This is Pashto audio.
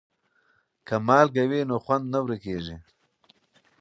که مالګه وي نو خوند نه ورکیږي.